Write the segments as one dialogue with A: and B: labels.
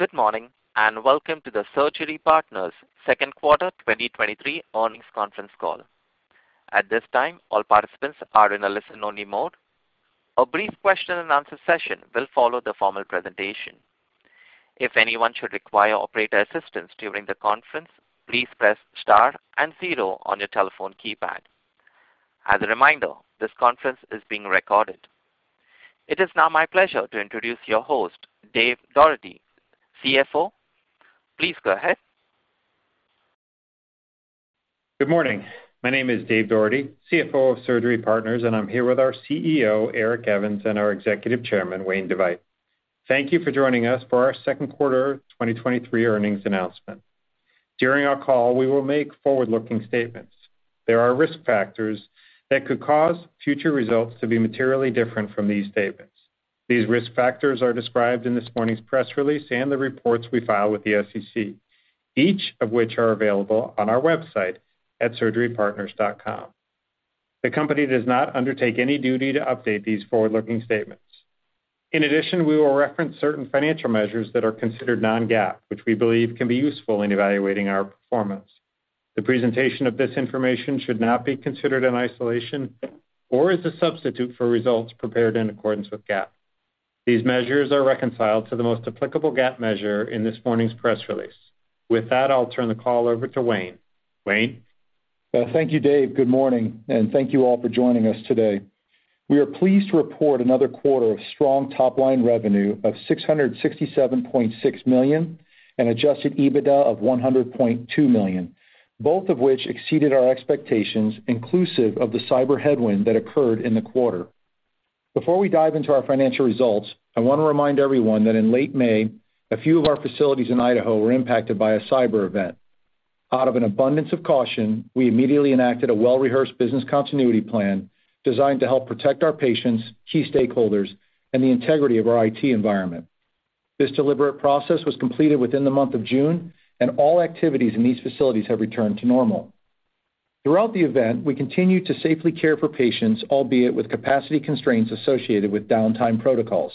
A: Good morning, and welcome to the Surgery Partners' second quarter 2023 earnings conference call. At this time, all participants are in a listen-only mode. A brief question-and-answer session will follow the formal presentation. If anyone should require operator assistance during the conference, please press Star and 0 on your telephone keypad. As a reminder, this conference is being recorded. It is now my pleasure to introduce your host, Dave Doherty, CFO. Please go ahead.
B: Good morning. My name is Dave Doherty, CFO of Surgery Partners, and I'm here with our CEO, Eric Evans, and our Executive Chairman, Wayne DeVeydt. Thank you for joining us for our second quarter 2023 earnings announcement. During our call, we will make forward-looking statements. There are risk factors that could cause future results to be materially different from these statements. These risk factors are described in this morning's press release and the reports we file with the SEC, each of which are available on our website at surgerypartners.com. The company does not undertake any duty to update these forward-looking statements. In addition, we will reference certain financial measures that are considered non-GAAP, which we believe can be useful in evaluating our performance. The presentation of this information should not be considered in isolation or as a substitute for results prepared in accordance with GAAP. These measures are reconciled to the most applicable GAAP measure in this morning's press release. With that, I'll turn the call over to Wayne. Wayne?
C: Well, thank you, Dave. Good morning, and thank you all for joining us today. We are pleased to report another quarter of strong top-line revenue of $667.6 million and Adjusted EBITDA of $100.2 million, both of which exceeded our expectations, inclusive of the cyber headwind that occurred in the quarter. Before we dive into our financial results, I want to remind everyone that in late May, a few of our facilities in Idaho were impacted by a cyber event. Out of an abundance of caution, we immediately enacted a well-rehearsed business continuity plan designed to help protect our patients, key stakeholders, and the integrity of our IT environment. This deliberate process was completed within the month of June, and all activities in these facilities have returned to normal. Throughout the event, we continued to safely care for patients, albeit with capacity constraints associated with downtime protocols.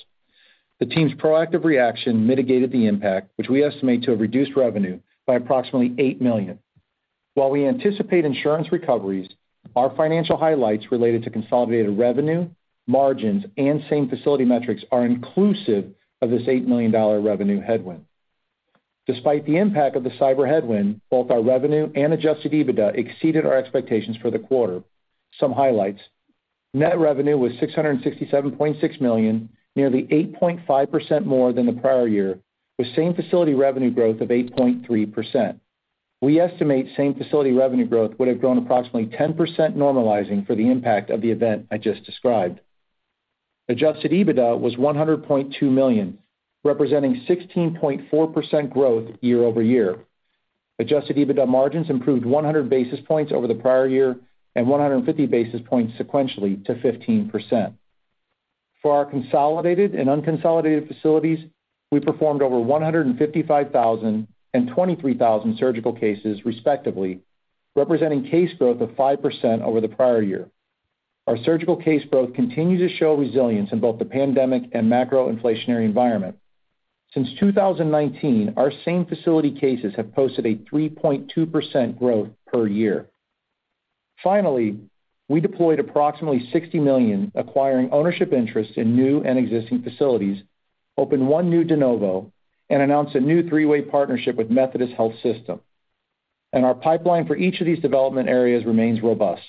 C: The team's proactive reaction mitigated the impact, which we estimate to have reduced revenue by approximately $8 million. While we anticipate insurance recoveries, our financial highlights related to consolidated revenue, margins, and same-facility metrics are inclusive of this $8 million revenue headwind. Despite the impact of the cyber headwind, both our revenue and Adjusted EBITDA exceeded our expectations for the quarter. Some highlights: Net revenue was $667.6 million, nearly $8.5 more than the prior year, with same-facility revenue growth of 8.3%. We estimate same-facility revenue growth would have grown approximately 10%, normalizing for the impact of the event I just described. Adjusted EBITDA was $100.2 million, representing 16.4% growth year-over-year. Adjusted EBITDA margins improved 100 basis points over the prior year and 150 basis points sequentially to 15%. For our consolidated and unconsolidated facilities, we performed over 155,000 and 23,000 surgical cases, respectively, representing case growth of 5% over the prior year. Our surgical case growth continues to show resilience in both the pandemic and macro inflationary environment. Since 2019, our same-facility cases have posted a 3.2% growth per year. Finally, we deployed approximately $60 million, acquiring ownership interests in new and existing facilities, opened one new de novo, and announced a new three-way partnership with Methodist Health System. Our pipeline for each of these development areas remains robust.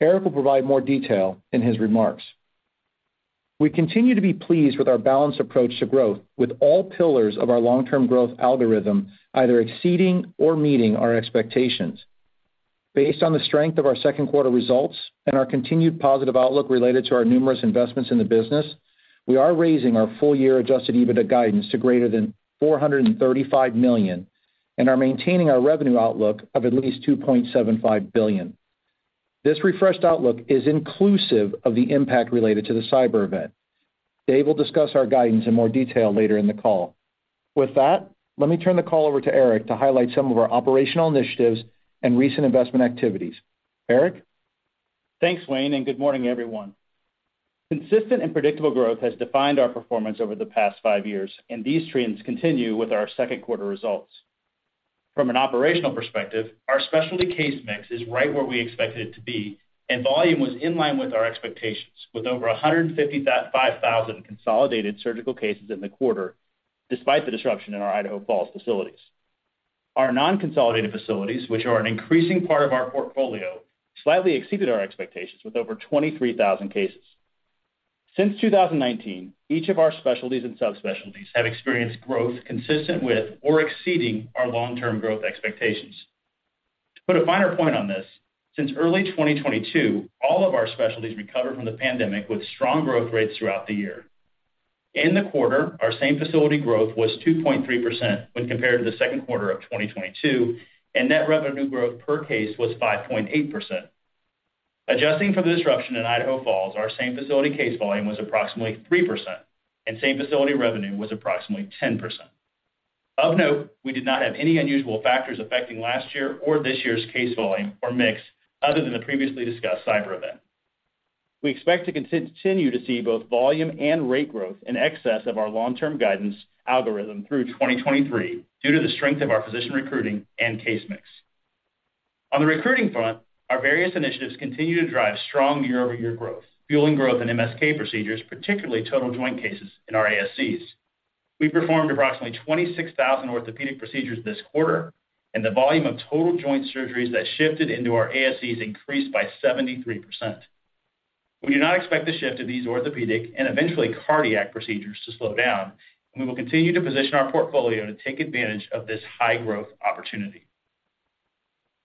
C: Eric will provide more detail in his remarks. We continue to be pleased with our balanced approach to growth, with all pillars of our long-term growth algorithm either exceeding or meeting our expectations. Based on the strength of our second quarter results and our continued positive outlook related to our numerous investments in the business, we are raising our full-year Adjusted EBITDA guidance to greater than $435 million, and are maintaining our revenue outlook of at least $2.75 billion. This refreshed outlook is inclusive of the impact related to the cyber event. Dave will discuss our guidance in more detail later in the call. With that, let me turn the call over to Eric to highlight some of our operational initiatives and recent investment activities. Eric?
D: Thanks, Wayne. Good morning, everyone. Consistent and predictable growth has defined our performance over the past five years, and these trends continue with our second quarter results. From an operational perspective, our specialty case mix is right where we expected it to be, and volume was in line with our expectations, with over 155,000 consolidated surgical cases in the quarter, despite the disruption in our Idaho Falls facilities. Our non-consolidated facilities, which are an increasing part of our portfolio, slightly exceeded our expectations with over 23,000 cases. Since 2019, each of our specialties and subspecialties have experienced growth consistent with or exceeding our long-term growth expectations. To put a finer point on this, since early 2022, all of our specialties recovered from the pandemic with strong growth rates throughout the year. In the quarter, our same-facility growth was 2.3% when compared to the second quarter of 2022, and net revenue growth per case was 5.8%. Adjusting for the disruption in Idaho Falls, our same-facility case volume was approximately 3%, and same-facility revenue was approximately 10%. Of note, we did not have any unusual factors affecting last year or this year's case volume or mix, other than the previously discussed cyber event. We expect to continue to see both volume and rate growth in excess of our long-term guidance algorithm through 2023 due to the strength of our physician recruiting and case mix. On the recruiting front, our various initiatives continue to drive strong year-over-year growth, fueling growth in MSK procedures, particularly total joint cases in our ASCs. We performed approximately 26,000 orthopedic procedures this quarter, and the volume of total joint surgeries that shifted into our ASCs increased by 73%. We do not expect the shift of these orthopedic and eventually cardiac procedures to slow down, and we will continue to position our portfolio to take advantage of this high-growth opportunity.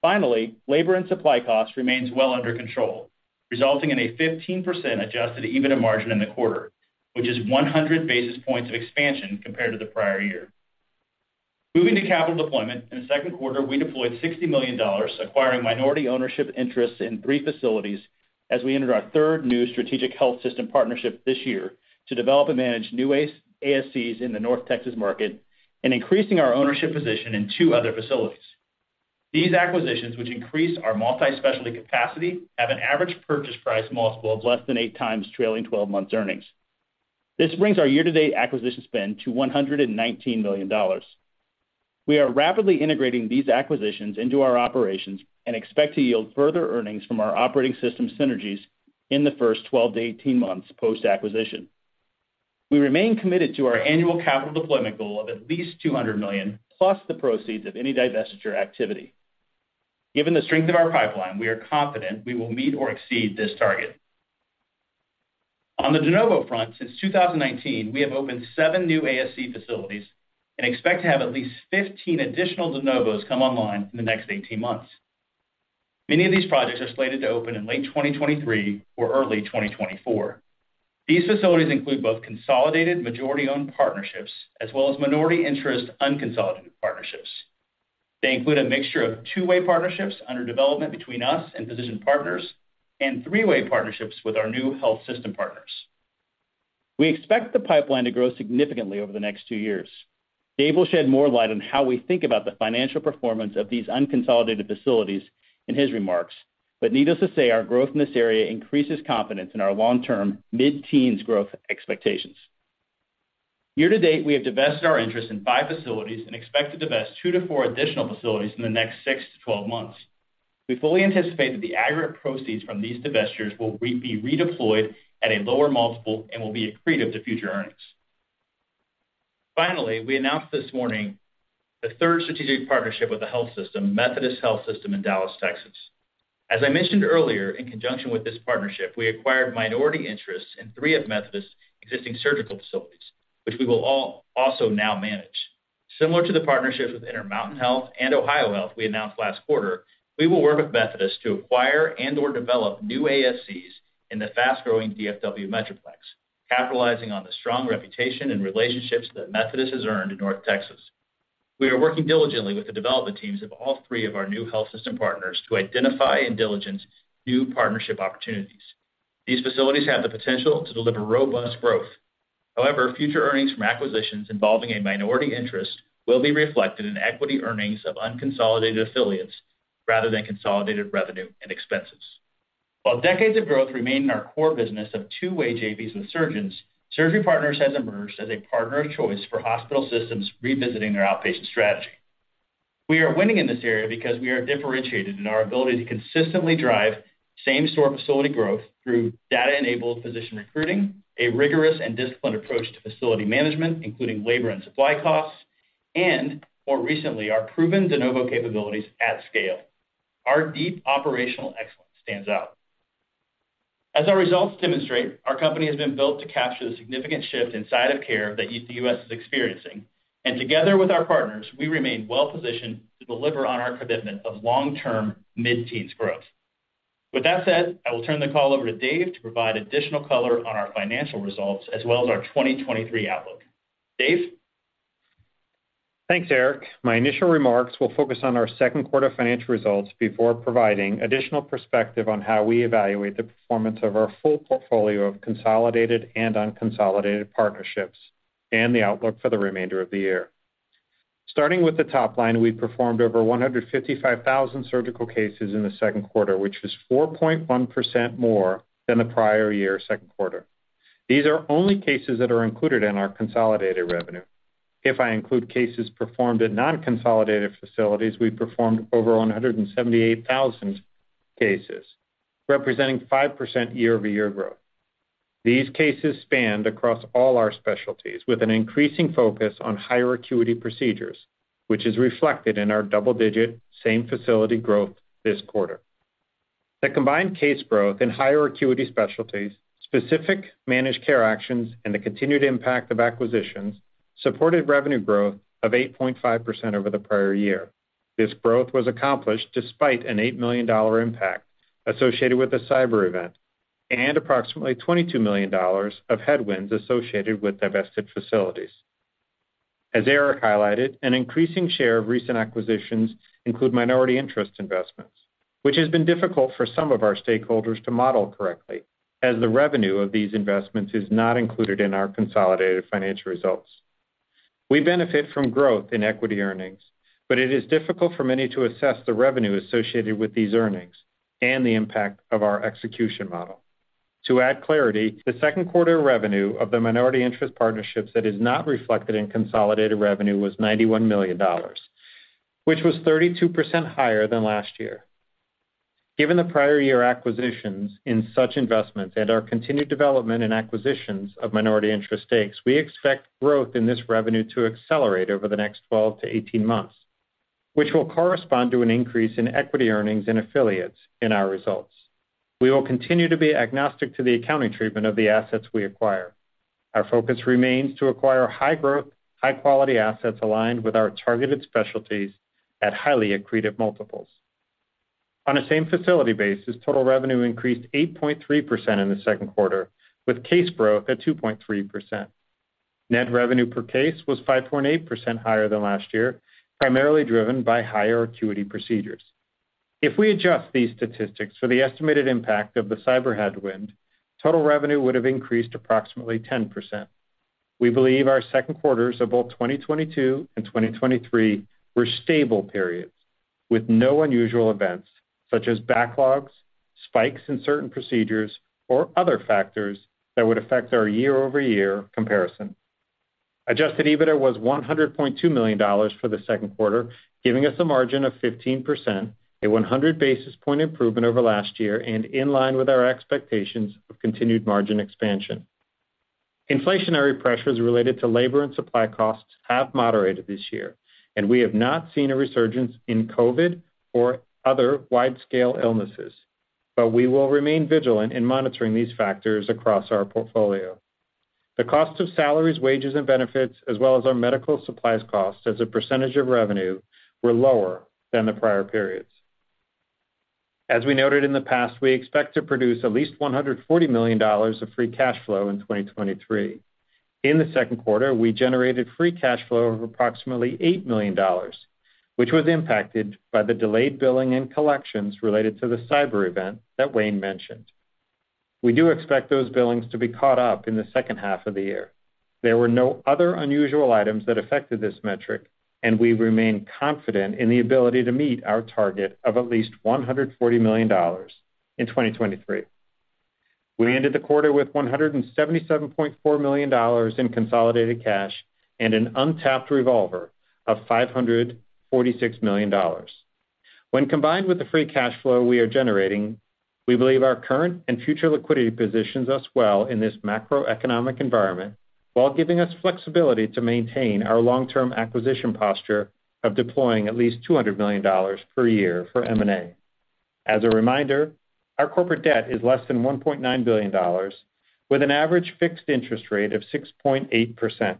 D: Finally, labor and supply costs remains well under control, resulting in a 15% Adjusted EBITDA margin in the quarter, which is 100 basis points of expansion compared to the prior year. Moving to capital deployment, in the second quarter, we deployed $60 million, acquiring minority ownership interests in three facilities as we entered our third new strategic health system partnership this year to develop and manage new ASCs in the North Texas market and increasing our ownership position in two other facilities. These acquisitions, which increase our multi-specialty capacity, have an average purchase price multiple of less than 8 times trailing 12 months earnings. This brings our year-to-date acquisition spend to $119 million. We are rapidly integrating these acquisitions into our operations and expect to yield further earnings from our operating system synergies in the first 12 months-18 months post-acquisition. We remain committed to our annual capital deployment goal of at least $200 million, plus the proceeds of any divestiture activity. Given the strength of our pipeline, we are confident we will meet or exceed this target. On the de novo front, since 2019, we have opened 7 new ASC facilities and expect to have at least 15 additional de novos come online in the next 18 months. Many of these projects are slated to open in late 2023 or early 2024. These facilities include both consolidated, majority-owned partnerships, as well as minority interest unconsolidated partnerships. They include a mixture of two-way partnerships under development between us and physician partners, and three-way partnerships with our new health system partners. We expect the pipeline to grow significantly over the next two years. Dave will shed more light on how we think about the financial performance of these unconsolidated facilities in his remarks, but needless to say, our growth in this area increases confidence in our long-term mid-teens growth expectations. Year-to-date, we have divested our interest in 5 facilities and expect to divest two to four additional facilities in the next six-12 months. We fully anticipate that the aggregate proceeds from these divestitures will be redeployed at a lower multiple and will be accretive to future earnings. We announced this morning the third strategic partnership with the health system, Methodist Health System in Dallas, Texas. As I mentioned earlier, in conjunction with this partnership, we acquired minority interests in three of Methodist's existing surgical facilities, which we will also now manage. Similar to the partnerships with Intermountain Health and OhioHealth we announced last quarter, we will work with Methodist to acquire and or develop new ASCs in the fast-growing DFW Metroplex, capitalizing on the strong reputation and relationships that Methodist has earned in North Texas. We are working diligently with the development teams of all three of our new health system partners to identify and diligence new partnership opportunities. These facilities have the potential to deliver robust growth. However, future earnings from acquisitions involving a minority interest will be reflected in equity earnings of unconsolidated affiliates rather than consolidated revenue and expenses. While decades of growth remain in our core business of two-way JVs with surgeons, Surgery Partners has emerged as a partner of choice for hospital systems revisiting their outpatient strategy. We are winning in this area because we are differentiated in our ability to consistently drive same-store facility growth through data-enabled physician recruiting, a rigorous and disciplined approach to facility management, including labor and supply costs, and more recently, our proven de novo capabilities at scale. Our deep operational excellence stands out. As our results demonstrate, our company has been built to capture the significant shift in site of care that the U.S. is experiencing, and together with our partners, we remain well positioned to deliver on our commitment of long-term mid-teens growth. With that said, I will turn the call over to Dave to provide additional color on our financial results, as well as our 2023 outlook. Dave?
B: Thanks, Eric. My initial remarks will focus on our second quarter financial results before providing additional perspective on how we evaluate the performance of our full portfolio of consolidated and unconsolidated partnerships and the outlook for the remainder of the year. Starting with the top line, we performed over 155,000 surgical cases in the second quarter, which is 4.1% more than the prior year second quarter. These are only cases that are included in our consolidated revenue. If I include cases performed at non-consolidated facilities, we performed over 178,000 cases, representing 5% year-over-year growth. These cases spanned across all our specialties, with an increasing focus on higher acuity procedures, which is reflected in our double-digit same-facility growth this quarter. The combined case growth in higher acuity specialties, specific managed care actions, and the continued impact of acquisitions supported revenue growth of 8.5% over the prior year. This growth was accomplished despite an $8 million impact associated with the cyber event and approximately $22 million of headwinds associated with divested facilities. As Eric highlighted, an increasing share of recent acquisitions include minority interest investments, which has been difficult for some of our stakeholders to model correctly, as the revenue of these investments is not included in our consolidated financial results. We benefit from growth in equity earnings, it is difficult for many to assess the revenue associated with these earnings and the impact of our execution model. To add clarity, the second quarter revenue of the minority interest partnerships that is not reflected in consolidated revenue was $91 million, which was 32% higher than last year. Given the prior year acquisitions in such investments and our continued development and acquisitions of minority interest stakes, we expect growth in this revenue to accelerate over the next 12 months-18 months, which will correspond to an increase in equity earnings and affiliates in our results. We will continue to be agnostic to the accounting treatment of the assets we acquire. Our focus remains to acquire high growth, high quality assets aligned with our targeted specialties at highly accretive multiples. On a same-facility basis, total revenue increased 8.3% in the second quarter, with case growth at 2.3%. Net revenue per case was 5.8% higher than last year, primarily driven by higher acuity procedures. If we adjust these statistics for the estimated impact of the cyber headwind, total revenue would have increased approximately 10%. We believe our second quarters of both 2022 and 2023 were stable periods with no unusual events, such as backlogs, spikes in certain procedures, or other factors that would affect our year-over-year comparison. Adjusted EBITDA was $100.2 million for the second quarter, giving us a margin of 15%, a 100 basis point improvement over last year and in line with our expectations of continued margin expansion. Inflationary pressures related to labor and supply costs have moderated this year, and we have not seen a resurgence in COVID or other wide-scale illnesses, but we will remain vigilant in monitoring these factors across our portfolio. The cost of salaries, wages, and benefits, as well as our medical supplies costs as a percentage of revenue, were lower than the prior periods. As we noted in the past, we expect to produce at least $140 million of free cash flow in 2023. In the second quarter, we generated free cash flow of approximately $8 million, which was impacted by the delayed billing and collections related to the cyber event that Wayne mentioned. We do expect those billings to be caught up in the second half of the year. There were no other unusual items that affected this metric. We remain confident in the ability to meet our target of at least $140 million in 2023. We ended the quarter with $177.4 million in consolidated cash and an untapped revolver of $546 million. When combined with the free cash flow we are generating, we believe our current and future liquidity positions us well in this macroeconomic environment, while giving us flexibility to maintain our long-term acquisition posture of deploying at least $200 million per year for M&A. As a reminder, our corporate debt is less than $1.9 billion, with an average fixed interest rate of 6.8%.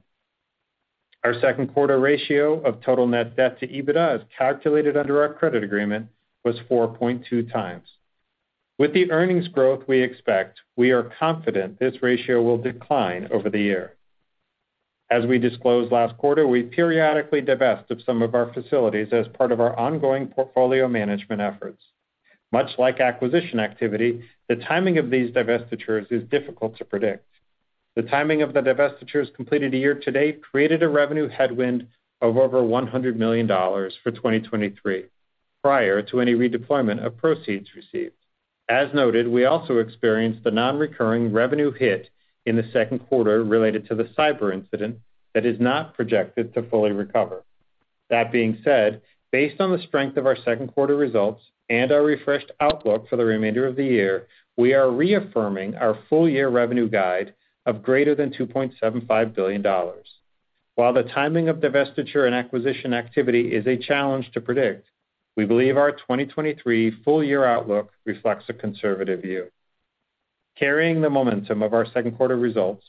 B: Our second quarter ratio of total net debt to EBITDA, as calculated under our credit agreement, was 4.2x. With the earnings growth we expect, we are confident this ratio will decline over the year. As we disclosed last quarter, we periodically divest of some of our facilities as part of our ongoing portfolio management efforts. Much like acquisition activity, the timing of these divestitures is difficult to predict. The timing of the divestitures completed a year-to-date created a revenue headwind of over $100 million for 2023, prior to any redeployment of proceeds received. As noted, we also experienced the non-recurring revenue hit in the second quarter related to the cyber incident that is not projected to fully recover. That being said, based on the strength of our second quarter results and our refreshed outlook for the remainder of the year, we are reaffirming our full-year revenue guide of greater than $2.75 billion. While the timing of divestiture and acquisition activity is a challenge to predict, we believe our 2023 full-year outlook reflects a conservative view. Carrying the momentum of our second quarter results,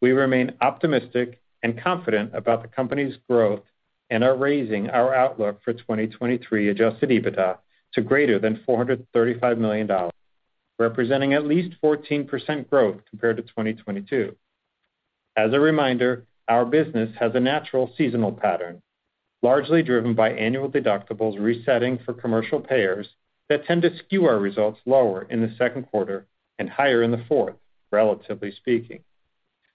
B: we remain optimistic and confident about the company's growth and are raising our outlook for 2023 Adjusted EBITDA to greater than $435 million, representing at least 14% growth compared to 2022. As a reminder, our business has a natural seasonal pattern, largely driven by annual deductibles resetting for commercial payers that tend to skew our results lower in the second quarter and higher in the fourth, relatively speaking.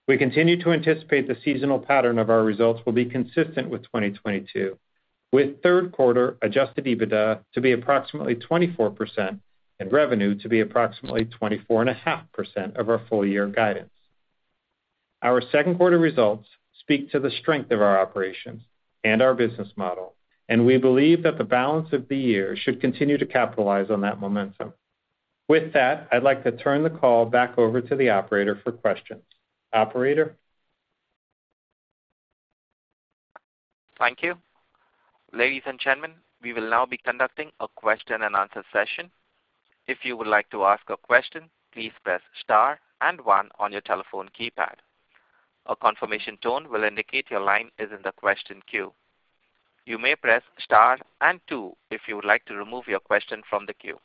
B: We continue to anticipate the seasonal pattern of our results will be consistent with 2022, with third quarter Adjusted EBITDA to be approximately 24% and revenue to be approximately 24.5% of our full year guidance. Our second quarter results speak to the strength of our operations and our business model. We believe that the balance of the year should continue to capitalize on that momentum. With that, I'd like to turn the call back over to the operator for questions. Operator?
A: Thank you. Ladies and gentlemen, we will now be conducting a question-and-answer session. If you would like to ask a question, please press star and one on your telephone keypad. A confirmation tone will indicate your line is in the question queue. You may press star and two if you would like to remove your question from the queue.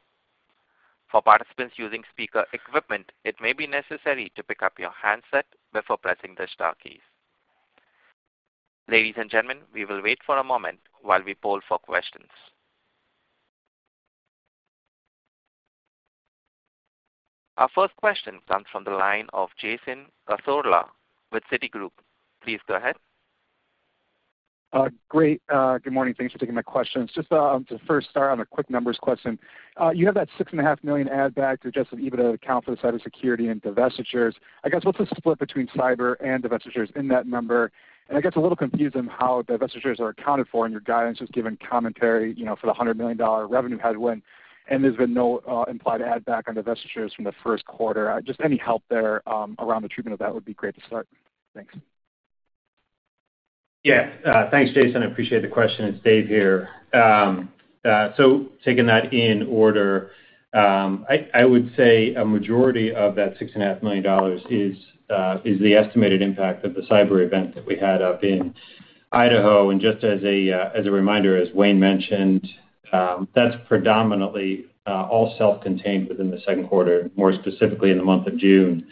A: For participants using speaker equipment, it may be necessary to pick up your handset before pressing the star key. Ladies and gentlemen, we will wait for a moment while we poll for questions.... Our first question comes from the line of Jason Cassorla with Citigroup. Please go ahead.
E: Great, good morning. Thanks for taking my questions. Just to first start on a quick numbers question. You have that $6.5 million add back to Adjusted EBITDA account for the cybersecurity and divestitures. I guess what's the split between cyber and divestitures in that number? I get a little confused on how divestitures are accounted for in your guidance, just given commentary, you know, for the $100 million revenue headwind, and there's been no implied add back on divestitures from the first quarter. Just any help there around the treatment of that would be great to start. Thanks.
B: Yeah. Thanks, Jason. I appreciate the question. It's Dave here. So taking that in order, I would say a majority of that $6.5 million is the estimated impact of the cyber event that we had up in Idaho. Just as a reminder, as Wayne mentioned, that's predominantly all self-contained within the second quarter, more specifically in the month of June.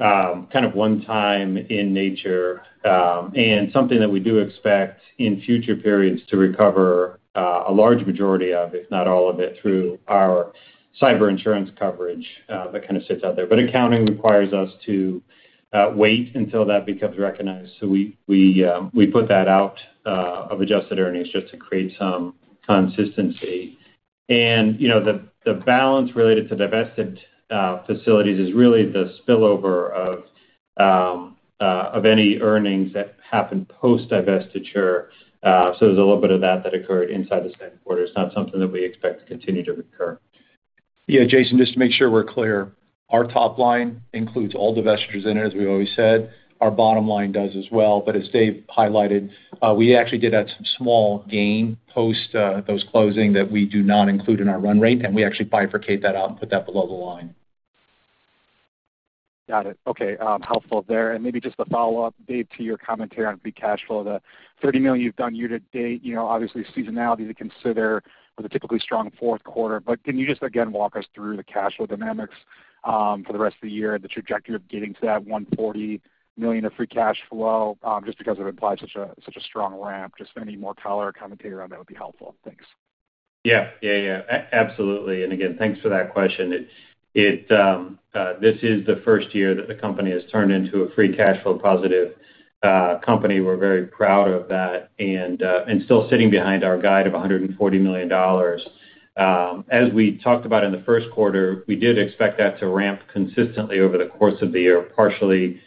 B: Kind of one time in nature, and something that we do expect in future periods to recover a large majority of, if not all of it, through our cyber insurance coverage that kind of sits out there. Accounting requires us to wait until that becomes recognized. We put that out of adjusted earnings just to create some consistency. You know, the, the balance related to divested facilities is really the spillover of any earnings that happen post divestiture. There's a little bit of that that occurred inside the second quarter. It's not something that we expect to continue to recur.
C: Yeah, Jason, just to make sure we're clear, our top line includes all divestitures in it, as we've always said. Our bottom line does as well, but as Dave highlighted, we actually did have some small gain post those closing that we do not include in our run rate, and we actually bifurcate that out and put that below the line.
E: Got it. Okay, helpful there. Maybe just a follow-up, Dave, to your commentary on free cash flow, the $30 million you've done year-to-date, you know, obviously seasonality to consider with a typically strong fourth quarter, but can you just again, walk us through the cash flow dynamics for the rest of the year, the trajectory of getting to that $140 million of free cash flow, just because it implies such a, such a strong ramp, just any more color or commentary around that would be helpful. Thanks.
B: Yeah. Yeah, yeah, absolutely. Again, thanks for that question. It's, it, this is the first year that the company has turned into a free cash flow positive company. We're very proud of that and still sitting behind our guide of $140 million. As we talked about in the first quarter, we did expect that to ramp consistently over the course of the year, partially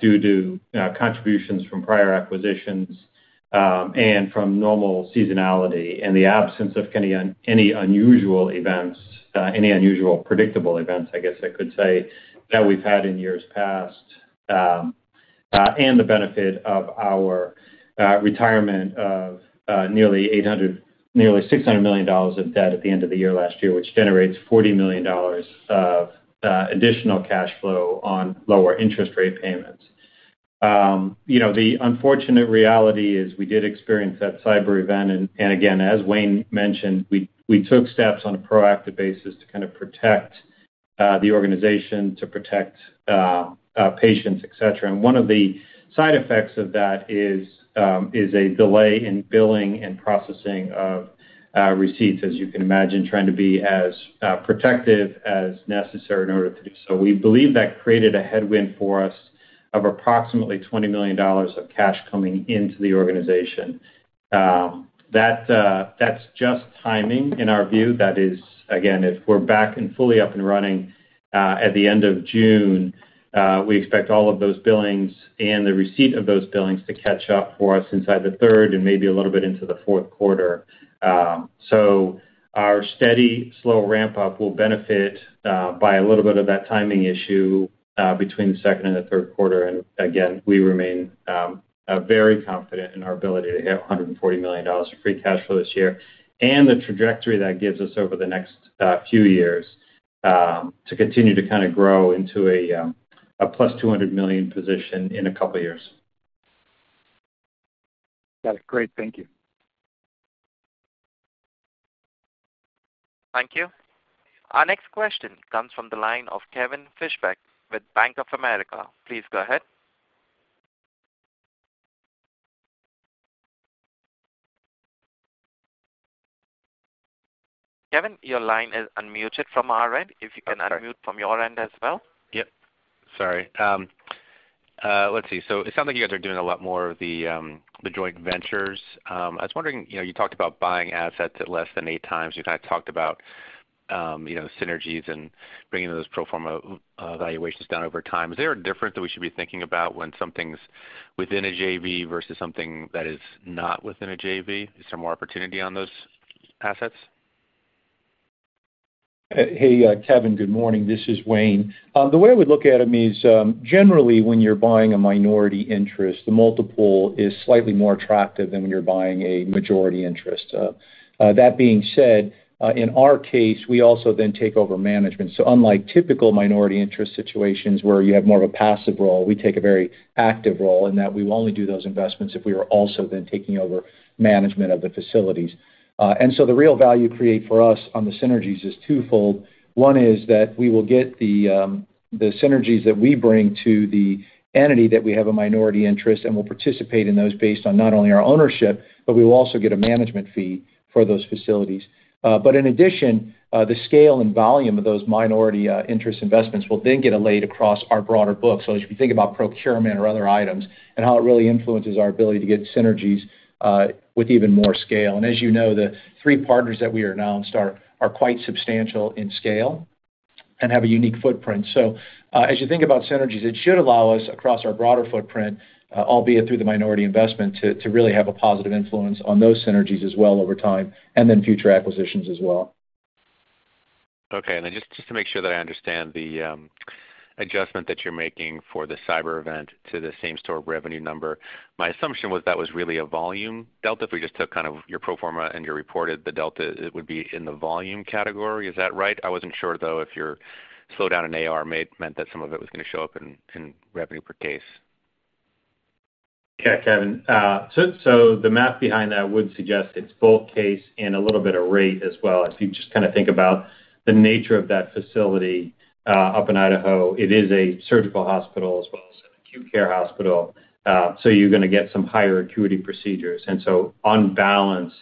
B: due to contributions from prior acquisitions, and from normal seasonality in the absence of any unusual events, any unusual, predictable events, I guess I could say, that we've had in years past. The benefit of our retirement of nearly $600 million of debt at the end of the year last year, which generates $40 million of additional cash flow on lower interest rate payments. You know, the unfortunate reality is we did experience that cyber event, and again, as Wayne mentioned, we took steps on a proactive basis to kind of protect the organization, to protect our patients, et cetera. One of the side effects of that is a delay in billing and processing of receipts, as you can imagine, trying to be as protective as necessary in order to do so. We believe that created a headwind for us of approximately $20 million of cash coming into the organization. That's just timing in our view. That is, again, if we're back and fully up and running, at the end of June, we expect all of those billings and the receipt of those billings to catch up for us inside the third and maybe a little bit into the fourth quarter. Our steady, slow ramp-up will benefit by a little bit of that timing issue between the second and the third quarter. Again, we remain very confident in our ability to hit $140 million of free cash flow this year and the trajectory that gives us over the next few years to continue to kinda grow into a plus $200 million position in a couple of years.
E: Got it. Great. Thank you.
A: Thank you. Our next question comes from the line of Kevin Fischbeck with Bank of America. Please go ahead. Kevin, your line is unmuted from our end, if you can-
F: Okay.
A: unmute from your end as well.
F: Yep, sorry. Let's see. It sounds like you guys are doing a lot more of the joint ventures. I was wondering, you know, you talked about buying assets at less than 8 times. You kind of talked about, you know, synergies and bringing those pro forma valuations down over time. Is there a difference that we should be thinking about when something's within a JV versus something that is not within a JV? Is there more opportunity on those assets?
C: Hey, Kevin, good morning. This is Wayne. Generally, when you're buying a minority interest, the multiple is slightly more attractive than when you're buying a majority interest. That being said, in our case, we also then take over management. Unlike typical minority interest situations, where you have more of a passive role, we take a very active role in that we will only do those investments if we are also then taking over management of the facilities. The real value create for us on the synergies is twofold. One is that we will get the synergies that we bring to the entity that we have a minority interest, and we'll participate in those based on not only our ownership, but we will also get a management fee for those facilities. In addition, the scale and volume of those minority interest investments will then get allayed across our broader book. As you think about procurement or other items and how it really influences our ability to get synergies with even more scale. As you know, the three partners that we are announced are, are quite substantial in scale, and have a unique footprint. As you think about synergies, it should allow us across our broader footprint, albeit through the minority investment, to, to really have a positive influence on those synergies as well over time, and then future acquisitions as well.
F: Okay. Just, just to make sure that I understand the adjustment that you're making for the cyber event to the same-store revenue number. My assumption was that was really a volume delta. If we just took kind of your pro forma and you reported the delta, it would be in the volume category. Is that right? I wasn't sure, though, if your slowdown in AR meant that some of it was gonna show up in, in revenue per case.
B: Yeah, Kevin, the math behind that would suggest it's both case and a little bit of rate as well. If you just kinda think about the nature of that facility, up in Idaho, it is a surgical hospital as well as an acute care hospital. You're gonna get some higher acuity procedures. On balance,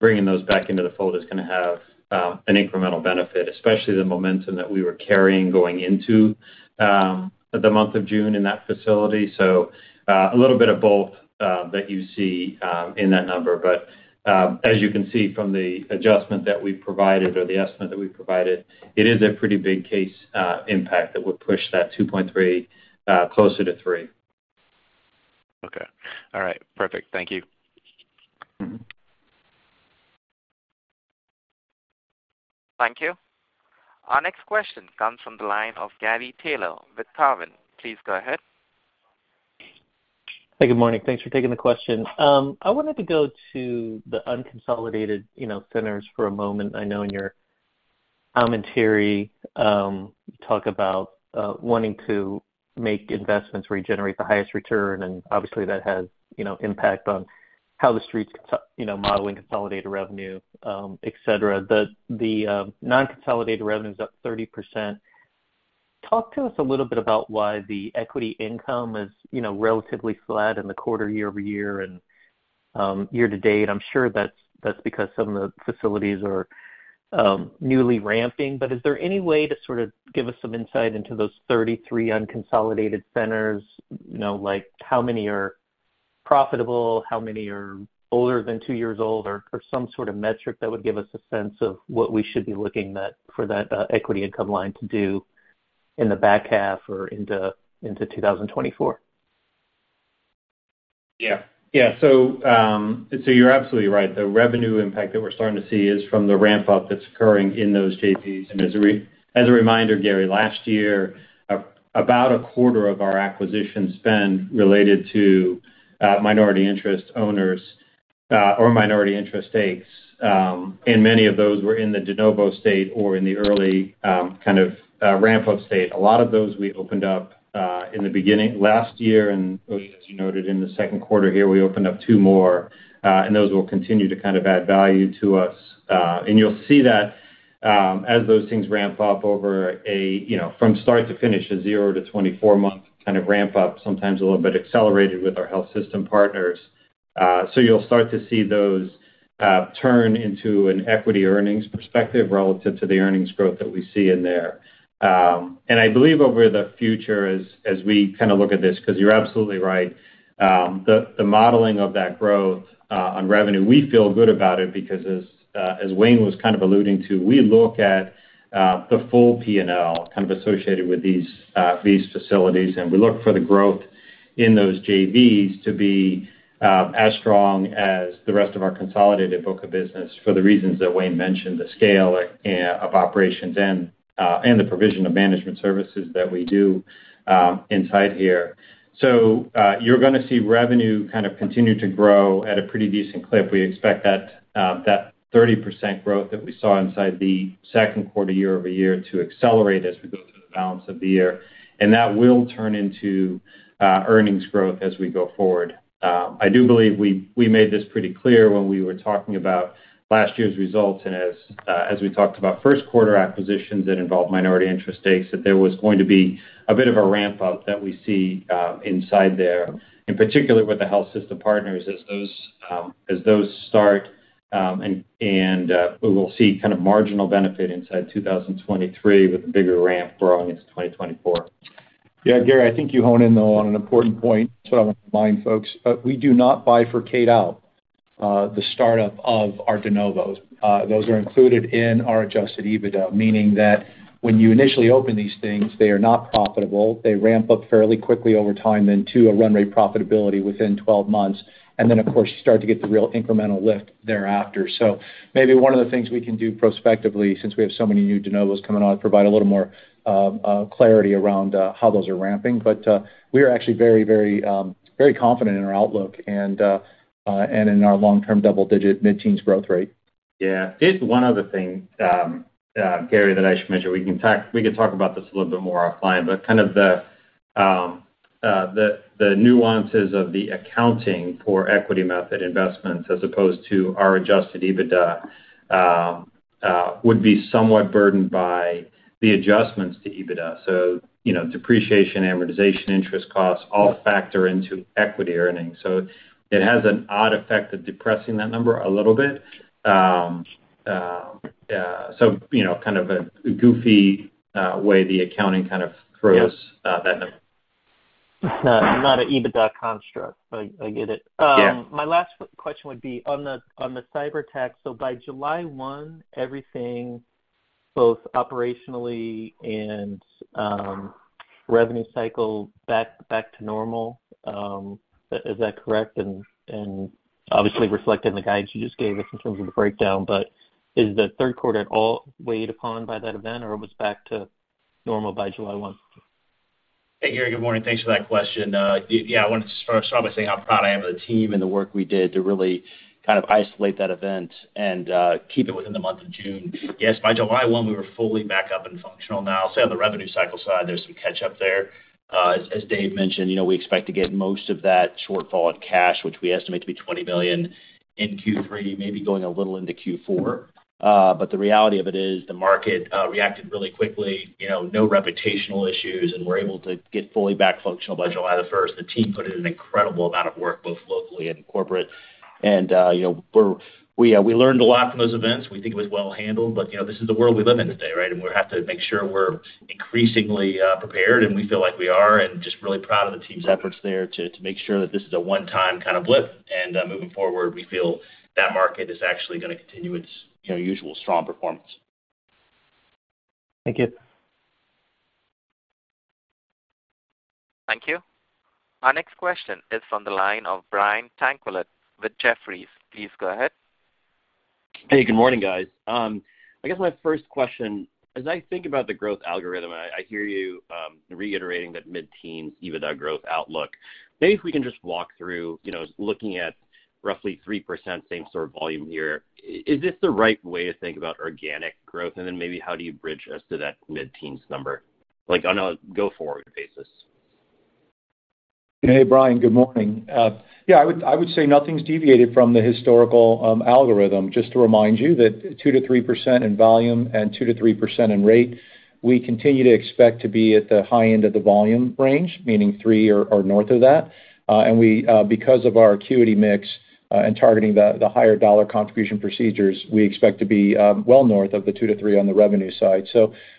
B: bringing those back into the fold is gonna have an incremental benefit, especially the momentum that we were carrying going into the month of June in that facility. A little bit of both that you see in that number. As you can see from the adjustment that we provided or the estimate that we provided, it is a pretty big case impact that would push that 2.3 closer to three.
F: Okay. All right. Perfect. Thank you.
B: Mm-hmm.
A: Thank you. Our next question comes from the line of Gary Taylor with Cowen. Please go ahead.
G: Hi, good morning. Thanks for taking the question. I wanted to go to the unconsolidated, you know, centers for a moment. I know in your commentary, you talk about wanting to make investments where you generate the highest return, and obviously, that has, you know, impact on how the streets, you know, modeling consolidated revenue, et cetera. The, the, non-consolidated revenue is up 30%. Talk to us a little bit about why the equity income is, you know, relatively flat in the quarter year-over-year and year-to-date. I'm sure that's, that's because some of the facilities are newly ramping, but is there any way to sort of give us some insight into those 33 unconsolidated centers? You know, like, how many are profitable, how many are older than two years old, or some sort of metric that would give us a sense of what we should be looking for that equity income line to do in the back half or into 2024?
B: Yeah. Yeah. You're absolutely right. The revenue impact that we're starting to see is from the ramp-up that's occurring in those JVs. As a reminder, Gary, last year, about a quarter of our acquisition spend related to minority interest owners or minority interest stakes, and many of those were in the de novo state or in the early kind of ramp-up state. A lot of those we opened up in the beginning last year, and as you noted in the second quarter here, we opened up two more, and those will continue to kind of add value to us. You'll see that, as those things ramp up over a, you know, from start to finish, a zero-24-month kind of ramp up, sometimes a little bit accelerated with our health system partners. You'll start to see those, turn into an equity earnings perspective relative to the earnings growth that we see in there. I believe over the future, as, as we kinda look at this, 'cause you're absolutely right, the, the modeling of that growth on revenue, we feel good about it because as, as Wayne was kind of alluding to, we look at the full P&L kind of associated with these facilities, and we look for the growth in those JVs to be as strong as the rest of our consolidated book of business for the reasons that Wayne mentioned, the scale of operations and, and the provision of management services that we do inside here. You're gonna see revenue kind of continue to grow at a pretty decent clip. We expect that, that 30% growth that we saw inside the second quarter year-over-year to accelerate as we go through the balance of the year. That will turn into earnings growth as we go forward. I do believe we, we made this pretty clear when we were talking about last year's results and as we talked about first quarter acquisitions that involved minority interest stakes, that there was going to be a bit of a ramp-up that we see inside there, in particular with the health system partners, as those, as those start, and we will see kind of marginal benefit inside 2023 with a bigger ramp growing into 2024.
C: Yeah, Gary, I think you honed in, though, on an important point. I want to remind folks, we do not fork out the startup of our de novos. Those are included in our Adjusted EBITDA, meaning that when you initially open these things, they are not profitable. They ramp up fairly quickly over time into a run-rate profitability within 12 months, and then, of course, you start to get the real incremental lift thereafter. Maybe one of the things we can do prospectively, since we have so many new de novos coming on, provide a little more clarity around how those are ramping. We are actually very, very confident in our outlook and in our long-term double-digit mid-teens growth rate.
B: Yeah. It's one other thing, Gary, that I should mention. We can talk, we can talk about this a little bit more offline, but kind of the, the nuances of the accounting for equity method investments as opposed to our Adjusted EBITDA, would be somewhat burdened by the adjustments to EBITDA. You know, depreciation, amortization, interest costs, all factor into equity earnings. It has an odd effect of depressing that number a little bit. You know, kind of a goofy way the accounting kind of throws.
C: Yeah...
B: that number.
G: It's not, not an EBITDA construct. I, I get it.
C: Yeah.
G: My last question would be on the, on the cyber attack. By July 1, everything, both operationally and revenue cycle, back, back to normal, is that correct? Obviously reflected in the guide you just gave us in terms of the breakdown, but is the third quarter at all weighed upon by that event, or it was back to normal by July 1?
D: Hey, Gary, good morning. Thanks for that question. Yeah, I want to start, start by saying how proud I am of the team and the work we did to really kind of isolate that event and keep it within the month of June. Yes, by July 1, we were fully back up and functional. Now, I'll say on the revenue cycle side, there's some catch up there. As, as Dave mentioned, you know, we expect to get most of that shortfall in cash, which we estimate to be $20 million in Q3, maybe going a little into Q4. The reality of it is, the market reacted really quickly, you know, no reputational issues, and we're able to get fully back functional by July 1st. The team put in an incredible amount of work, both locally and corporate. You know, we learned a lot from those events. We think it was well handled, but, you know, this is the world we live in today, right? We have to make sure we're increasingly prepared, and we feel like we are, and just really proud of the team's efforts there to, to make sure that this is a one-time kind of blip. Moving forward, we feel that market is actually gonna continue its, you know, usual strong performance.
G: Thank you.
A: Thank you. Our next question is from the line of Brian Tanquilut with Jefferies. Please go ahead.
H: Hey, good morning, guys. I guess my first question, as I think about the growth algorithm, I, I hear you, reiterating that mid-teens EBITDA growth outlook. Maybe if we can just walk through, you know, looking at roughly 3% same-facility volume here, is this the right way to think about organic growth? Then maybe how do you bridge us to that mid-teens number, like, on a go-forward basis?
C: Hey, Brian, good morning. Yeah, I would, I would say nothing's deviated from the historical algorithm. Just to remind you that 2%-3% in volume and 2%-3% in rate, we continue to expect to be at the high end of the volume range, meaning 3% or north of that. We, because of our acuity mix, and targeting the, the higher dollar contribution procedures, we expect to be well north of the 2%-3% on the revenue side.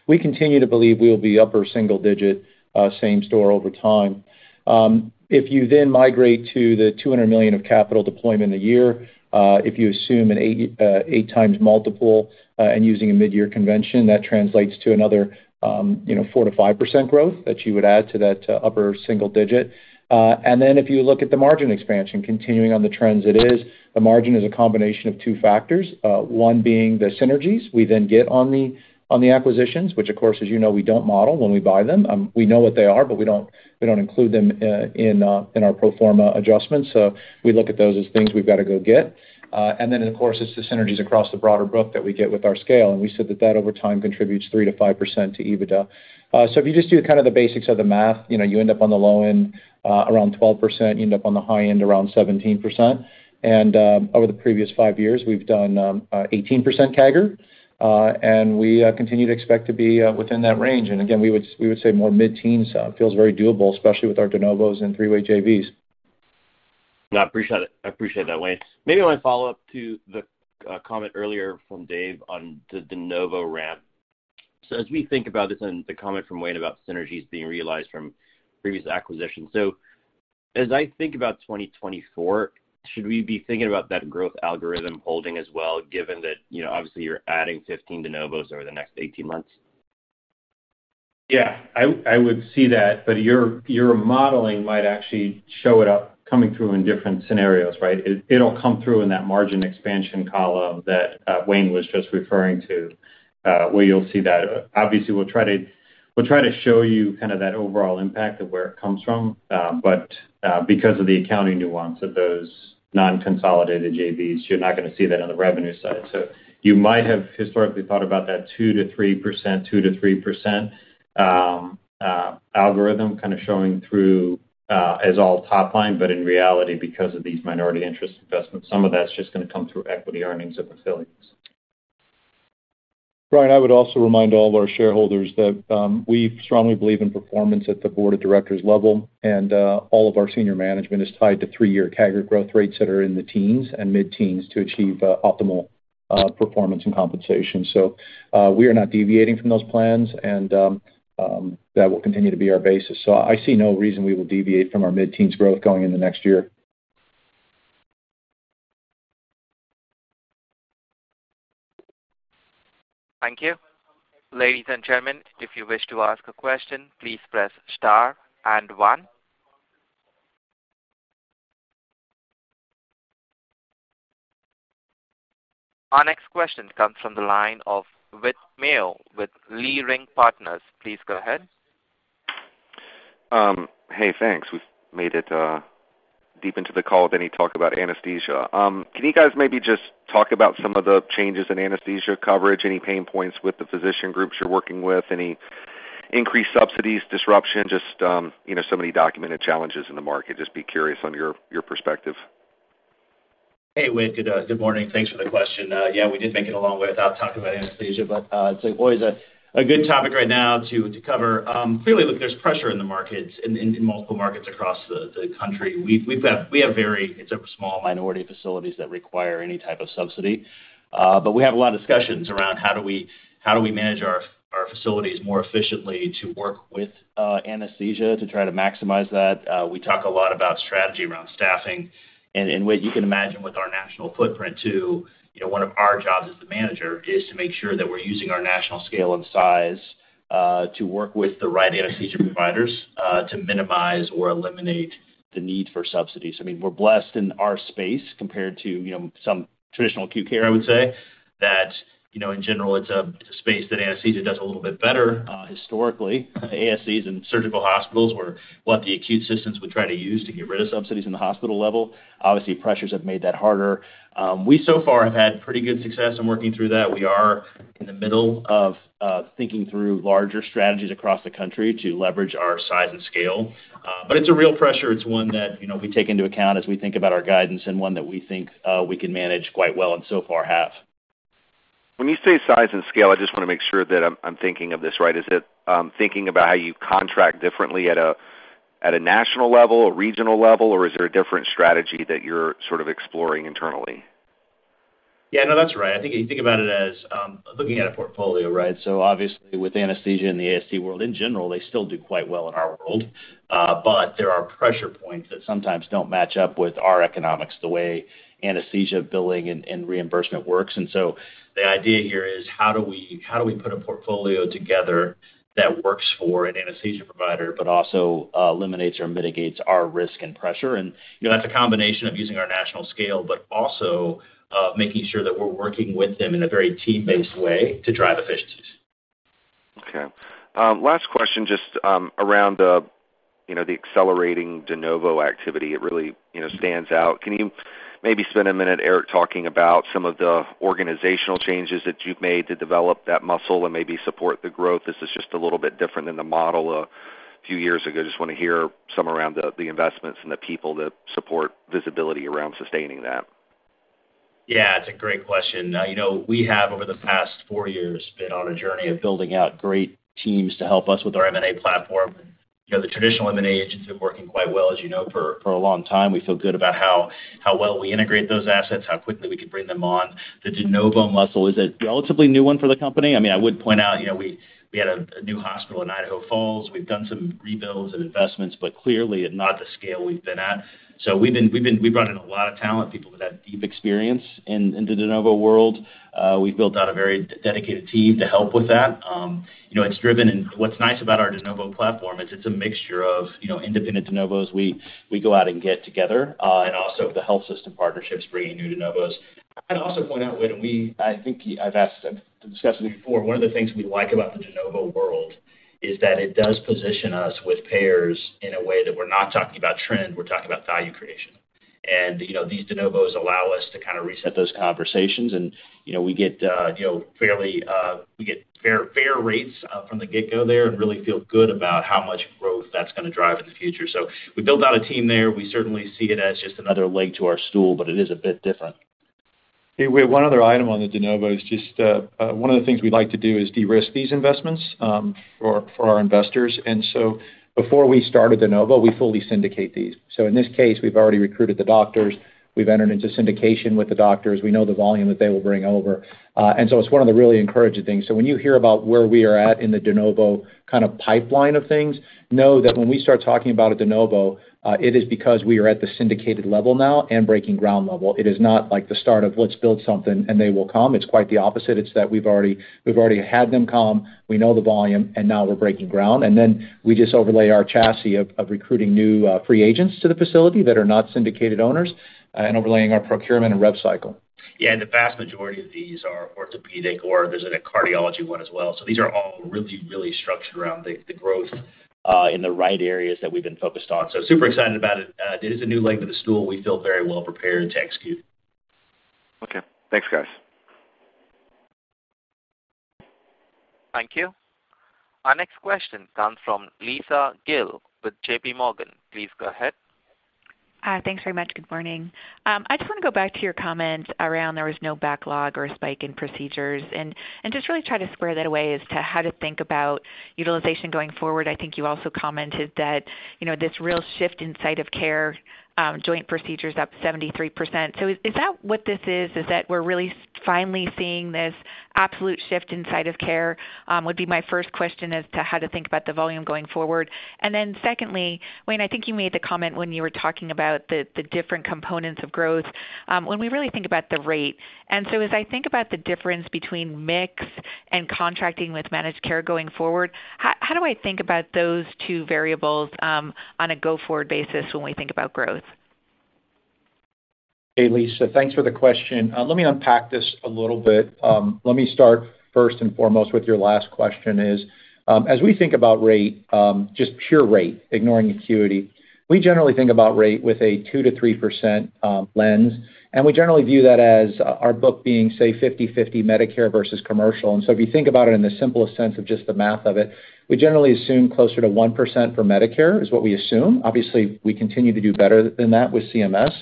C: We continue to believe we'll be upper single digit, same store over time. If you then migrate to the $200 million of capital deployment a year, if you assume an 8x multiple, and using a mid-year convention, that translates to another, you know, 4%-5% growth that you would add to that upper single-digit. Then if you look at the margin expansion, continuing on the trends it is, the margin is a combination of two factors. One being the synergies we then get on the, on the acquisitions, which of course, as you know, we don't model when we buy them. We know what they are, but we don't, we don't include them in our pro forma adjustments. We look at those as things we've got to go get. Then, of course, it's the synergies across the broader group that we get with our scale, and we said that that, over time, contributes 3%-5% to EBITDA. If you just do kind of the basics of the math, you know, you end up on the low end, around 12%, you end up on the high end, around 17%. Over the previous five years, we've done, 18% CAGR, and we continue to expect to be within that range. Again, we would, we would say more mid-teens, feels very doable, especially with our de novos and three-way JVs.
H: I appreciate it. I appreciate that, Wayne. Maybe I want to follow up to the comment earlier from Dave Doherty on the de novo ramp. As we think about this and the comment from Wayne about synergies being realized from previous acquisitions, as I think about 2024, should we be thinking about that growth algorithm holding as well, given that, you know, obviously you're adding 15 de novos over the next 18 months?
D: Yeah, I, I would see that, but your, your modeling might actually show it up coming through in different scenarios, right? It, it'll come through in that margin expansion column that Wayne was just referring to, where you'll see that. Obviously, we'll try to, we'll try to show you kind of that overall impact of where it comes from, but because of the accounting nuance of those non-consolidated JVs, you're not gonna see that on the revenue side. You might have historically thought about that 2%-3%, 2%-3% algorithm kind of showing through as all top line. In reality, because of these minority interest investments, some of that's just gonna come through equity earnings of facilities.
C: Brian, I would also remind all of our shareholders that we strongly believe in performance at the board of directors level, and all of our senior management is tied to three-year CAGR growth rates that are in the teens and mid-teens to achieve optimal performance and compensation. We are not deviating from those plans, and that will continue to be our basis. I see no reason we will deviate from our mid-teens growth going in the next year.
A: Thank you. Ladies and gentlemen, if you wish to ask a question, please press star and one. Our next question comes from the line of Whit Mayo with Leerink Partners. Please go ahead.
I: Hey, thanks. We've made it deep into the call, with any talk about anesthesia. Can you guys maybe just talk about some of the changes in anesthesia coverage, any pain points with the physician groups you're working with? Any increased subsidies, disruption, just, you know, so many documented challenges in the market. Just be curious on your, your perspective.
D: Hey, Whit, good morning. Thanks for the question. Yeah, we did make it a long way without talking about anesthesia, but it's always a good topic right now to cover. Clearly, look, there's pressure in the markets, in multiple markets across the country. We have a small minority of facilities that require any type of subsidy, but we have a lot of discussions around how do we, how do we manage our facilities more efficiently to work with anesthesia to try to maximize that. We talk a lot about strategy around staffing. What you can imagine with our national footprint, too, you know, one of our jobs as the manager is to make sure that we're using our national scale and size, to work with the right anesthesia providers, to minimize or eliminate the need for subsidies. I mean, we're blessed in our space compared to, you know, some traditional acute care, I would say. That, you know, in general, it's a, it's a space that anesthesia does a little bit better, historically. ASCs and surgical hospitals were what the acute systems would try to use to get rid of subsidies in the hospital level. Obviously, pressures have made that harder. We so far have had pretty good success in working through that. We are in the middle of thinking through larger strategies across the country to leverage our size and scale. It's a real pressure. It's one that, you know, we take into account as we think about our guidance, and one that we think we can manage quite well, and so far have.
I: When you say size and scale, I just wanna make sure that I'm, I'm thinking of this right. Is it, thinking about how you contract differently at a, at a national level, a regional level, or is there a different strategy that you're sort of exploring internally?
D: Yeah, no, that's right. I think you think about it as, looking at a portfolio, right? Obviously, with anesthesia in the ASC world, in general, they still do quite well in our world. But there are pressure points that sometimes don't match up with our economics, the way anesthesia billing and, and reimbursement works. The idea here is how do we, how do we put a portfolio together that works for an anesthesia provider, but also, eliminates or mitigates our risk and pressure? You know, that's a combination of using our national scale, but also, making sure that we're working with them in a very team-based way to drive efficiencies.
I: Okay. Last question, just, around the, you know, the accelerating de novo activity. It really, you know, stands out. Can you maybe spend a minute, Eric, talking about some of the organizational changes that you've made to develop that muscle and maybe support the growth? This is just a little bit different than the model a few years ago. Just wanna hear some around the, the investments and the people that support visibility around sustaining that.
D: Yeah, it's a great question. You know, we have, over the past four years, been on a journey of building out great teams to help us with our M&A platform. You know, the traditional M&A agents have been working quite well, as you know, for, for a long time. We feel good about how, how well we integrate those assets, how quickly we can bring them on. The de novo muscle is a relatively new one for the company. I mean, I would point out, you know, we, we had a, a new hospital in Idaho Falls. We've done some rebuilds and investments, but clearly at not the scale we've been at. We've brought in a lot of talent, people with that deep experience in, in the de novo world. We've built out a very dedicated team to help with that. You know, it's driven... What's nice about our de novo platform is it's a mixture of, you know, independent de novos we go out and get together, and also the health system partnerships bringing new de novos. I'd also point out, Wayne, we I think I've asked and discussed before, one of the things we like about the de novo world is that it does position us with payers in a way that we're not talking about trend, we're talking about value creation. You know, these de novos allow us to kind of reset those conversations, and, you know, we get, you know, fairly, we get fair, fair rates from the get-go there and really feel good about how much growth that's going to drive in the future. We built out a team there. We certainly see it as just another leg to our stool, but it is a bit different.
C: Hey, we have one other item on the de novo. It's just one of the things we like to do is de-risk these investments, for, for our investors. Before we start a de novo, we fully syndicate these. In this case, we've already recruited the doctors. We've entered into syndication with the doctors. We know the volume that they will bring over. It's one of the really encouraging things. When you hear about where we are at in the de novo kinda pipeline of things, know that when we start talking about a de novo, it is because we are at the syndicated level now and breaking ground level. It is not like the start of let's build something and they will come. It's quite the opposite. It's that we've already, we've already had them come, we know the volume, and now we're breaking ground. We just overlay our chassis of recruiting new free agents to the facility that are not syndicated owners, and overlaying our procurement and rev cycle.
D: Yeah, the vast majority of these are orthopedic, or there's a cardiology one as well. These are all really, really structured around the, the growth in the right areas that we've been focused on. Super excited about it. It is a new leg of the stool. We feel very well prepared to execute.
I: Okay. Thanks, guys.
A: Thank you. Our next question comes from Lisa Gill with JPMorgan. Please go ahead.
J: Hi. Thanks very much. Good morning. I just wanna go back to your comment around there was no backlog or spike in procedures, and just really try to square that away as to how to think about utilization going forward. I think you also commented that, you know, this real shift in site of care, joint procedures up 73%. Is that what this is, is that we're really finally seeing this absolute shift in site of care? That would be my first question as to how to think about the volume going forward. Secondly, Wayne, I think you made the comment when you were talking about the different components of growth, when we really think about the rate. As I think about the difference between mix and contracting with managed care going forward, how, how do I think about those two variables on a go-forward basis when we think about growth?
C: Hey, Lisa. Thanks for the question. Let me unpack this a little bit. Let me start first and foremost with your last question is, as we think about rate, just pure rate, ignoring acuity, we generally think about rate with a 2%-3% lens, and we generally view that as our book being, say, 50/50 Medicare versus commercial. So if you think about it in the simplest sense of just the math of it, we generally assume closer to 1% for Medicare, is what we assume. Obviously, we continue to do better than that with CMS.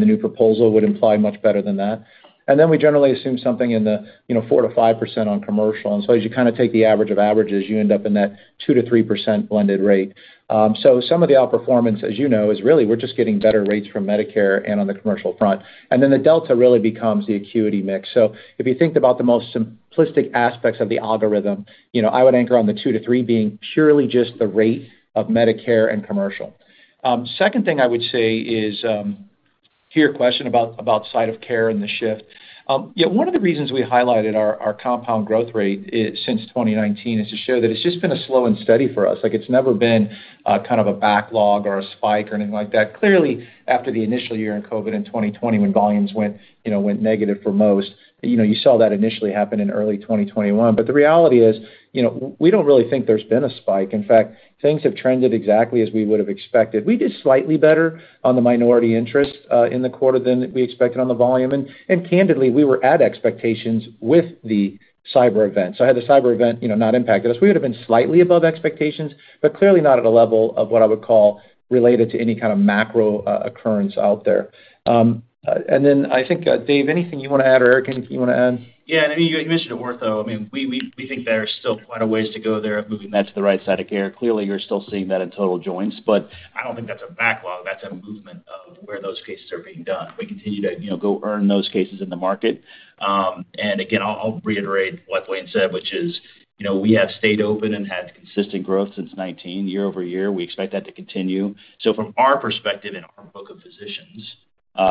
C: The new proposal would imply much better than that. Then we generally assume something in the, you know, 4%-5% on commercial. As you kind of take the average of averages, you end up in that 2%-3% blended rate. So some of the outperformance, as you know, is really we're just getting better rates from Medicare and on the commercial front, and then the delta really becomes the acuity mix. If you think about the most simplistic aspects of the algorithm, you know, I would anchor on the 2%-3% being purely just the rate of Medicare and commercial. Second thing I would say is, to your question about, about site of care and the shift. Yeah, one of the reasons we highlighted our, our compound growth rate is since 2019, is to show that it's just been a slow and steady for us. Like, it's never been, kind of a backlog or a spike or anything like that. Clearly, after the initial year in COVID in 2020, when volumes went, you know, went negative for most, you know, you saw that initially happen in early 2021. The reality is, you know, we don't really think there's been a spike. In fact, things have trended exactly as we would have expected. We did slightly better on the minority interest in the quarter than we expected on the volume. Candidly, we were at expectations with the cyber event. Had the cyber event, you know, not impacted us, we would have been slightly above expectations, but clearly not at a level of what I would call related to any kind of macro occurrence out there. I think, Dave, anything you wanna add, or Eric, anything you wanna add?
D: Yeah, I mean, you had mentioned ortho. I mean, we think there are still quite a ways to go there of moving that to the right side of care. Clearly, you're still seeing that in total joints. I don't think that's a backlog. That's a movement of where those cases are being done. We continue to, you know, go earn those cases in the market. Again, I'll reiterate what Wayne said, which is, you know, we have stayed open and had consistent growth since 2019 year-over-year. We expect that to continue. From our perspective in our book of physicians,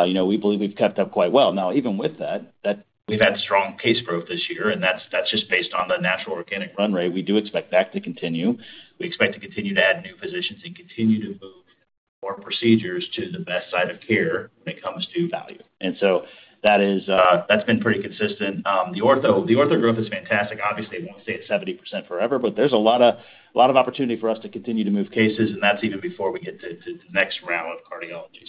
D: you know, we believe we've kept up quite well. Now, even with that, we've had strong case growth this year, and that's just based on the natural organic run rate. We do expect that to continue. We expect to continue to add new physicians and continue to move more procedures to the best site of care when it comes to value. That is, that's been pretty consistent. The ortho growth is fantastic. Obviously, it won't stay at 70% forever. There's a lot of, lot of opportunity for us to continue to move cases, and that's even before we get to, to the next round of cardiology.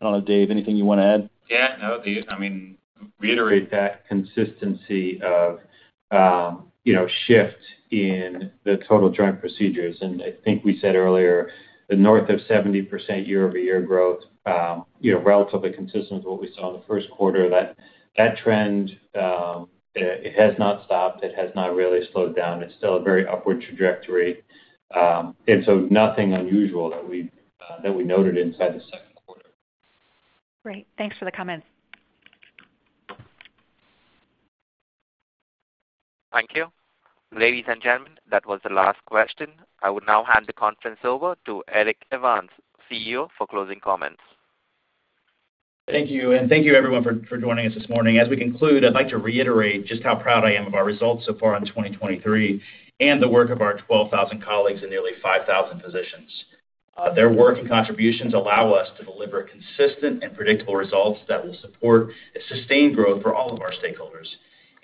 C: I don't know, Dave, anything you wanna add?
B: Yeah, no, I mean, reiterate that consistency of, you know, shift in the total joint procedures. I think we said earlier, the north of 70% year-over-year growth, you know, relatively consistent with what we saw in the first quarter, that, that trend, it has not stopped. It has not really slowed down. It's still a very upward trajectory. Nothing unusual that we, that we noted inside the second quarter.
J: Great. Thanks for the comments.
A: Thank you. Ladies and gentlemen, that was the last question. I will now hand the conference over to Eric Evans, CEO, for closing comments.
D: Thank you, and thank you, everyone, for joining us this morning. As we conclude, I'd like to reiterate just how proud I am of our results so far in 2023, and the work of our 12,000 colleagues and nearly 5,000 physicians. Their work and contributions allow us to deliver consistent and predictable results that will support a sustained growth for all of our stakeholders,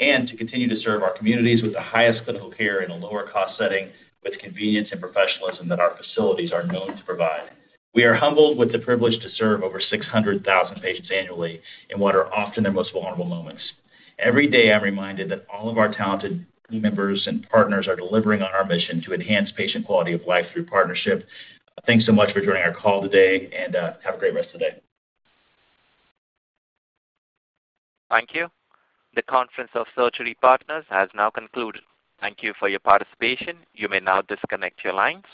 D: and to continue to serve our communities with the highest clinical care in a lower cost setting, with convenience and professionalism that our facilities are known to provide. We are humbled with the privilege to serve over 600,000 patients annually in what are often their most vulnerable moments. Every day, I'm reminded that all of our talented team members and partners are delivering on our mission to enhance patient quality of life through partnership. Thanks so much for joining our call today, and have a great rest of the day.
A: Thank you. The conference of Surgery Partners has now concluded. Thank you for your participation. You may now disconnect your lines.